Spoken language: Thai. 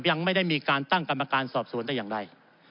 ยังไม่ได้มีการตั้งการประการสอบศูนย์ได้อย่างไร